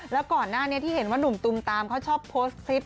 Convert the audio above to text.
แล้วก่อนหน้านี้ที่เห็นว่านุ่มตุมตามเขาชอบโพสต์คลิป